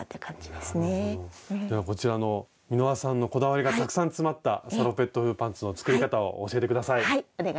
ではこちらの美濃羽さんのこだわりがたくさん詰まったサロペット風パンツの作り方を教えて下さい。